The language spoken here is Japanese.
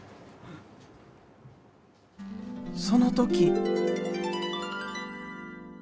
その時。